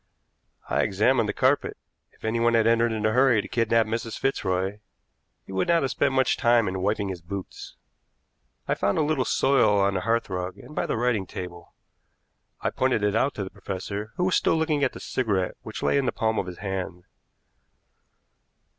I examined the carpet. If anyone had entered in a hurry to kidnap Mrs. Fitzroy he would not have spent much time in wiping his boots. I found a little soil on the hearthrug and by the writing table. I pointed it out to the professor, who was still looking at the cigarette which lay in the palm of his hand.